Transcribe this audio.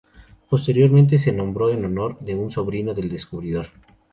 Posteriormente, se nombró en honor de un sobrino del descubridor.